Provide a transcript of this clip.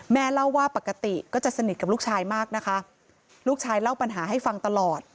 แม่เล่าว่าปกติก็จะสนิทกับลูกชายมากนะคะลูกชายเล่าปัญหาให้ฟังตลอด